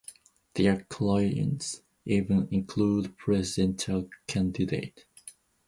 Their clients even include Presidential candidate.